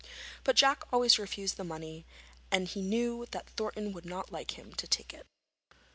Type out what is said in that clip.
But Jack always refused the money, as he knew that Thornton would not like him to take it.